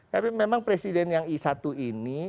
tapi memang presiden yang i satu ini